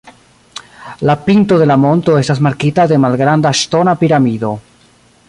La pinto de la monto estas markita de malgranda ŝtona piramido.